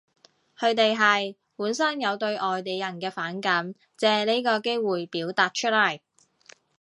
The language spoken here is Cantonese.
佢哋係，本身有對外地人嘅反感，借呢個機會表達出嚟